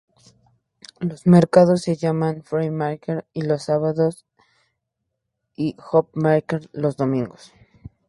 Los mercados se llaman "Free Market" los sábados y "Hope Market" los domingos.